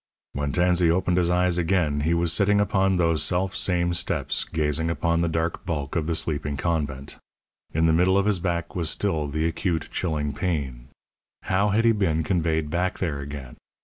When Tansey opened his eyes again he was sitting upon those self same steps gazing upon the dark bulk of the sleeping convent. In the middle of his back was still the acute, chilling pain. How had he been conveyed back there again?